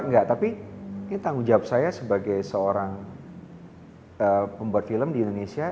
enggak tapi ini tanggung jawab saya sebagai seorang pembuat film di indonesia